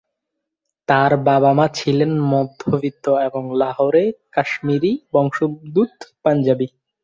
তার বাবা-মা ছিলেন মধ্যবিত্ত এবং লাহোরের কাশ্মীরি বংশোদ্ভূত পাঞ্জাবি।